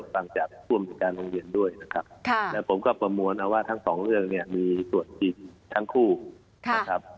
ฟังจากผู้อำนวยการโรงเรียนด้วยนะครับแล้วผมก็ประมวลเอาว่าทั้งสองเรื่องเนี่ยมีตรวจจริงทั้งคู่นะครับ